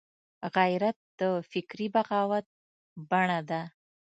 غیرت د فکري بغاوت بڼه ده